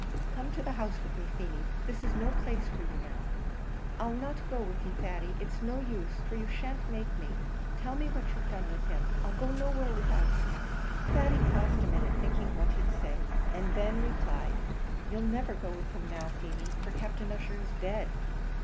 "Come to the house with me, Feemy; this is no place for you now." "I'll not go with you, Thady. It's no use, for you shan't make me; tell me what you've done with him I'll go nowhere without him." Thady paused a minute, thinking what he'd say, and then replied: "You'll never go with him now, Feemy, for Captain Ussher is dead!"